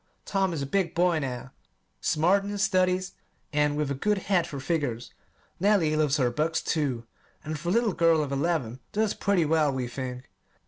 Tom is a big boy now, smart in his studies and with a good head for figures. Nellie loves her books, too; and, for a little girl of eleven, does pretty well, we think.